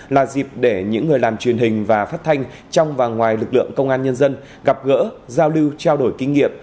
là dịp để những người làm truyền hình và phát thanh trong và ngoài lực lượng công an nhân dân gặp gỡ giao lưu trao đổi kinh nghiệm